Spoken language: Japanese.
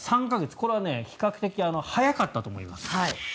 これは比較的早かったと思います。